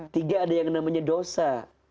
tiga ada yang namanya dosa